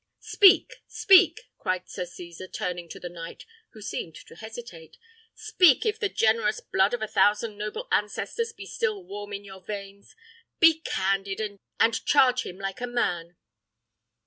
"Speak! speak!" cried Sir Cesar, turning to the knight, who seemed to hesitate; "speak, if the generous blood of a thousand noble ancestors be still warm in your veins! Be candid, and charge him like a man."